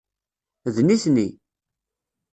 D nitni.